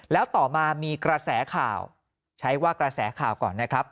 แล้วต่อมามีกระแสข่าวใช้ว่ากระแสข่าวก่อนนะครับ